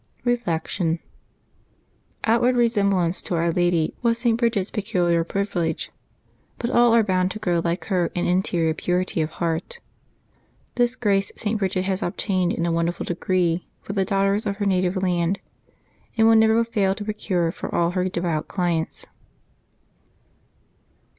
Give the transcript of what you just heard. Reflection. — Outward resemblance to Our Lady was St. Bridgid's peculiar privilege ; but all are bound to grow like her in interior purity of heart. This grace St. Bridgid has obtained in a wonderful degree for the daughters of her native land, and will never fail to procure for all her devout clients.